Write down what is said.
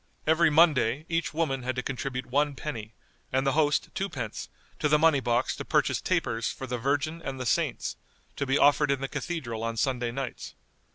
Every Monday each woman had to contribute one penny, and the host twopence, to the money box to purchase tapers for the Virgin and the saints, to be offered in the Cathedral on Sunday nights.